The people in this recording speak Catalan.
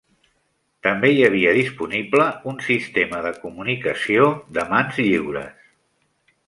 També hi havia disponible un sistema de comunicació de mans lliures.